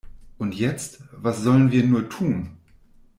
Und jetzt, was sollen wir nur tun?